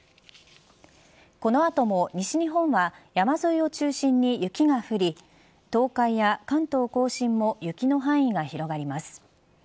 この後も西日本は山沿いを中心に雪が降り東海や関東甲信も雪の範囲が広がります。